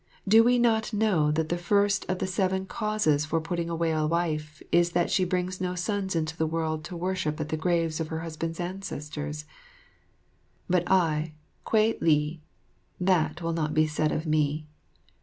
Do we not know that the first of the seven causes for putting away a wife is that she brings no sons into the world to worship at the graves of her husband's ancestors? But I, Kwei li, that will not be said of me.